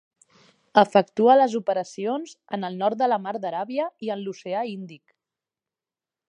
Efectua les operacions en el nord de la mar d'Aràbia i en l'oceà índic.